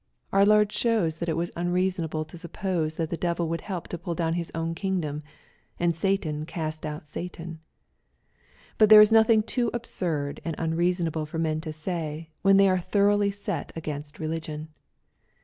Our Lord shows that it was unreasonable to suppose that the devil would help to puU down his own kingdom, and " Satan cast out Satan/' But there is nothing too absurd and unreasonable for men to say, when they are thoroughly set against religion.